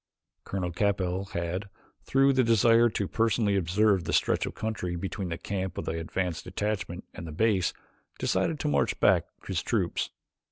Colonel Capell had, through a desire to personally observe the stretch of country between the camp of the advance detachment and the base, decided to march back his troops.